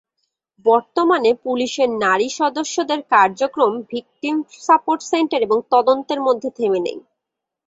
বর্তমানে পুলিশের নারী সদস্যদের কার্যক্রম ভিকটিম সাপোর্ট সেন্টার এবং তদন্তের মধ্যে থেমে নেই।